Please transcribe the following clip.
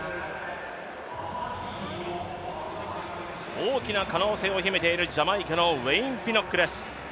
大きな可能性を秘めているジャマイカのウェイン・ピノックです。